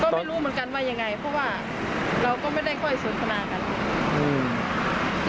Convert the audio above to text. ก็ไม่รู้เหมือนกันว่ายังไงเพราะว่าเราก็ไม่ได้ค่อยสนทนากัน